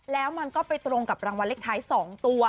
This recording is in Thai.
แล้วมันก็ไปตรงกับรางวัลเลขท้าย๒ตัว